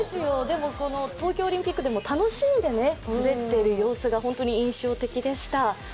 でも、この東京オリンピックでも楽しんで滑っている様子が本当に印象的でした。